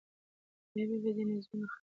دایمي به دي نظمونه خاطرې کړي